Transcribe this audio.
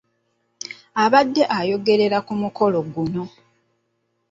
Abadde ayogerera ku mukolo guno .